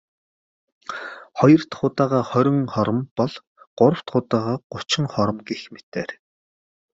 Хоёр дахь удаагаа хорин хором бол.. Гурав дахь удаад гучин хором гэх мэтээр.